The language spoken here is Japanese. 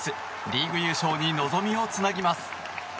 リーグ優勝に望みをつなぎます。